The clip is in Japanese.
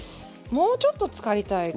もうちょっとつかりたいかな。